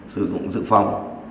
sử dụng dự phòng